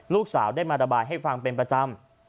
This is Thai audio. ลูกสาวได้มาระบายให้ฟังเป็นประจำ